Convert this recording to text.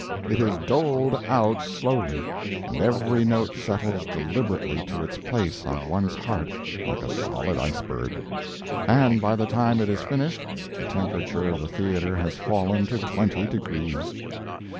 It is doled out slowly, and every note settles deliberately to its place on one's heart like a solid iceberg—and by the time it is finished the temperature of the theatre has fallen to twenty degrees.